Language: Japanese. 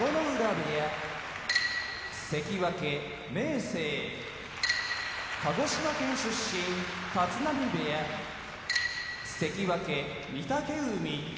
部屋関脇・明生鹿児島県出身立浪部屋関脇・御嶽海